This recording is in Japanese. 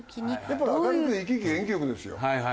やっぱり明るく生き生き元気よくですよ。